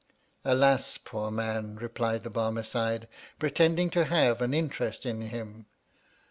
Alas, poor man ! replied the Barmecide, pre tending to have an interest in him.